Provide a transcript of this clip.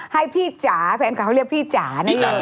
ให้พี่จ๋าแฟนคาเอาเรียกพี่จ๋า